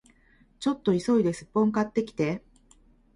ちょっと急いでスッポン買ってきて